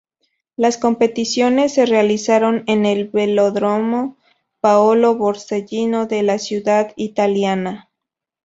Las competiciones se realizaron en el Velódromo Paolo Borsellino de la ciudad italiana.